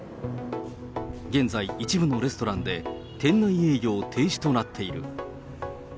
現在、一部のレストランで店内営業停止となっている。